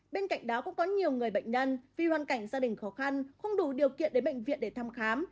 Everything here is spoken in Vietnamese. bên cạnh đó cũng có nhiều người bệnh nhân vì hoàn cảnh gia đình khó khăn không đủ điều kiện đến bệnh viện để thăm khám